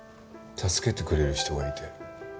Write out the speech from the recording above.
助けてくれる人がいて。